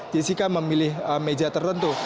jessica memilih meja tertentu